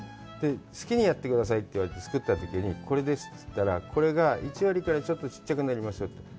好きにやってくださいって言われて作ったときに、これですって言ったら、これが１割ぐらいちょっとちっちゃくなりましたって。